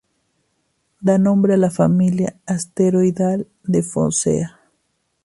Da nombre a la familia asteroidal de Focea.